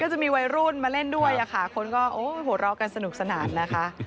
ก็จะมีวายรุ่นมาเล่นด้วยหลอกเรากันสนุกสนานนะคะ